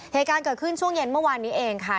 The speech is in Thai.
เหตุการณ์เกิดขึ้นช่วงเย็นเมื่อวานนี้เองค่ะ